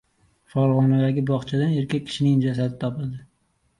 Farg‘onadagi bog‘chadan erkak kishining jasadi topildi